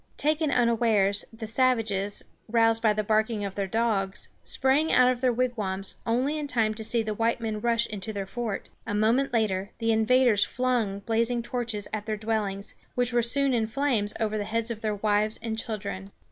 Taken unawares, the savages, roused by the barking of their dogs, sprang out of their wigwams, only in time to see the white men rush into their fort. A moment later, the invaders flung blazing torches at their dwellings, which were soon in flames over the heads of their wives and children.